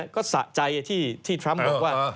ก็สะใจที่ทรัมป์บอกว่า